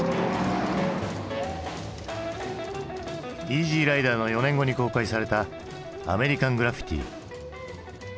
「イージー★ライダー」の４年後に公開された「アメリカン・グラフィティ」。